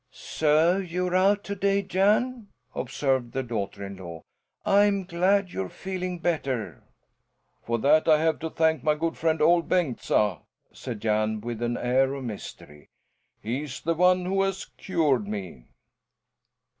"So you're out to day, Jan," observed the daughter in law. "I'm glad you're feeling better." "For that I have to thank my good friend Ol' Bengtsa!" said Jan, with an air of mystery. "He's the one who has cured me."